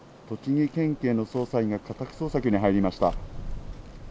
栃木県警の捜査員が家宅捜索に入りました。